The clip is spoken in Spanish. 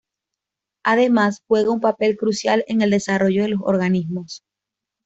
Además, juegan un papel crucial en el desarrollo de los organismos.